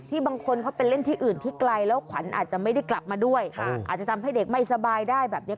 บางคนเขาไปเล่นที่อื่นที่ไกลแล้วขวัญอาจจะไม่ได้กลับมาด้วยอาจจะทำให้เด็กไม่สบายได้แบบเนี้ย